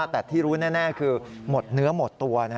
แต่ที่รู้แน่คือหมดเนื้อหมดตัว